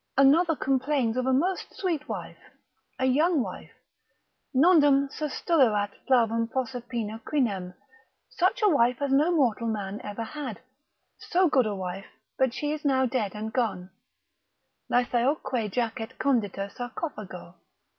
Another complains of a most sweet wife, a young wife, Nondum sustulerat flavum Proserpina crinem, such a wife as no mortal man ever had, so good a wife, but she is now dead and gone, laethaeoque jacet condita sarcophago.